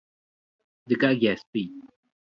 The Gaggia S.p.